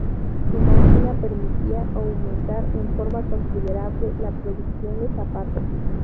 Su máquina permitía aumentar en forma considerable la producción de zapatos.